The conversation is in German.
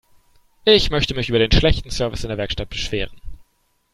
Ich möchte mich über den schlechten Service in der Werkstatt beschweren.